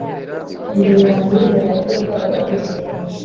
imbere yanjye uhereye mu buto bwabo abisirayeli